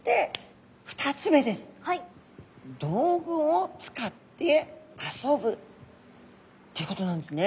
道具を使って遊ぶってことなんですね。